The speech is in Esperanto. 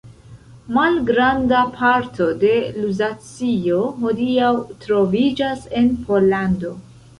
Malgranda parto de Luzacio hodiaŭ troviĝas en Pollando.